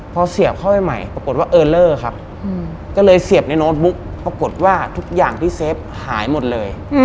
พอเสียบเข้าไปใหม่ปรากฏว่าเออเลอร์ครับก็เลยเสียบในโน้ตบุ๊กปรากฏว่าทุกอย่างที่เซฟหายหมดเลย